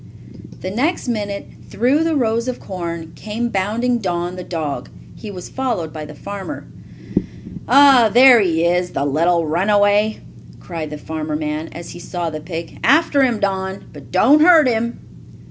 The next minute, through the rows of corn, came bounding Don, the dog. He was followed by the farmer. "Ah, there he is! The little runaway!" cried the farmer man as he saw the pig. "After him, Don! But don't hurt him!"